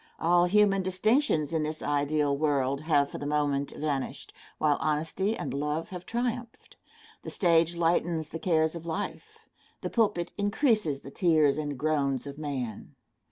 All human distinctions in this ideal world have for the moment vanished, while honesty and love have triumphed. The stage lightens the cares of life. The pulpit increases the tears and groans of man.